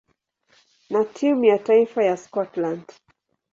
na timu ya taifa ya Scotland.